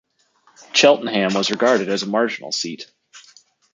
Cheltenham was regarded as a marginal seat.